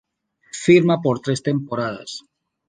Firma por tres temporadas.